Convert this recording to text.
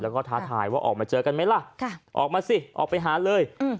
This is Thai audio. แล้วก็ท้าทายว่าออกมาเจอกันไหมล่ะออกมาสิออกไปหาเลย